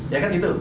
ya kan gitu